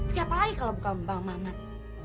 siapa lagi kalau bukan bang mamat